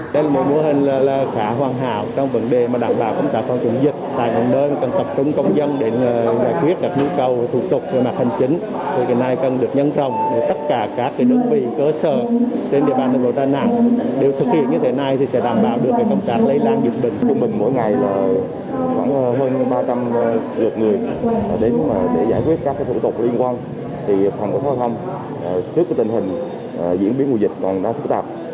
thủ tục liên quan thì phòng có thói thông trước tình hình diễn biến mùa dịch còn đang phức tạp